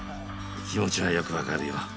気持ちはよく分かるよ。